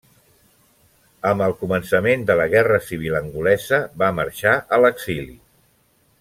Amb el començament de la Guerra Civil angolesa va marxar a l'exili.